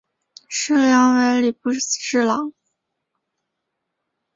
事梁为礼部侍郎。